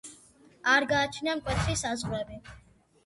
არ გააჩნია მკვეთრი საზღვრები.